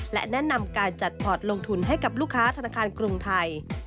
และแนะนำการจัดพอร์ตลงทุนให้กับลูกค้าธนาคารกรุงไทย